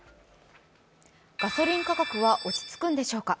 ガソリン価格は落ち着くんでしょうか。